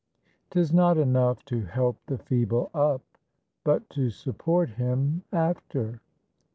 "'Tis not enough to help the feeble up, But to support him after."